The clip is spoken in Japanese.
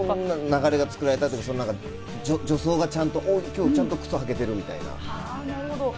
流れが作られたというか、助走がちゃんと、今日、靴履けてるみたいな。